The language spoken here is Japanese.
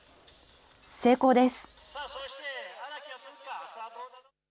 成功です。